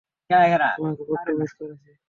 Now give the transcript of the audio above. তোমাকে বড্ড মিস করেছি।